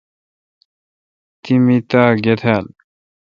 تی می تاء گہ تال ۔